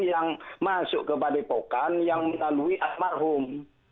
yang masuk ke padepokan yang melalui almarhum